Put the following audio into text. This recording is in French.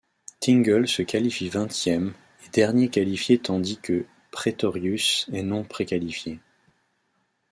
Tingle se qualifie vingtième et dernier qualifié tandis que Pretorius est non-préqualifié.